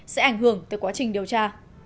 sẽ ảnh hưởng tới quá trình điều tra